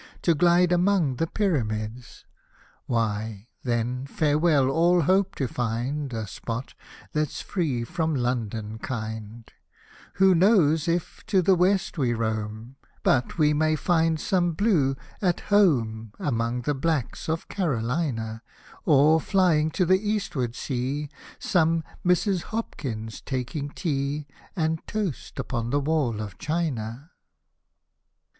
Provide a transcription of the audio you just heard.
To glide among the Pyramids — Why, then, farewell all hope to find A spot, that's free from London kind I Who knows, if to the West we roam. But we may find some Blue " at home '' Hosted by Google 196 SATIRICAL AND HUMOROUS POEMS Among the Blacks of Carolina — Or, flying to the Eastward, see Some Mrs. Hopkins, taking tea And toast upon the Wall of China